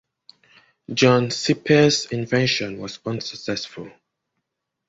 John Sipe's invention was unsuccessful.